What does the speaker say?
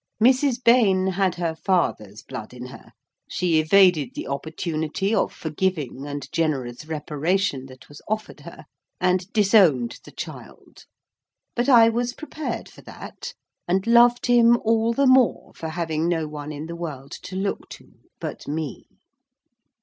Mrs. Bayne had her father's blood in her; she evaded the opportunity of forgiving and generous reparation that was offered her, and disowned the child; but, I was prepared for that, and loved him all the more for having no one in the world to look to, but me.